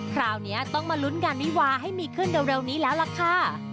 คราวนี้ต้องมาลุ้นงานวิวาให้มีขึ้นเร็วนี้แล้วล่ะค่ะ